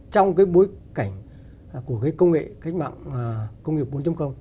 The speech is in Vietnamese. trong cái bối cảnh của cái công nghệ cách mạng công nghiệp bốn